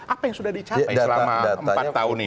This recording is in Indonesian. apa yang sudah dicapai selama empat tahun ini